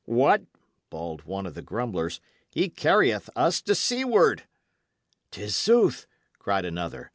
"What!" bawled one of the grumblers, "he carrieth us to seaward!" "'Tis sooth," cried another.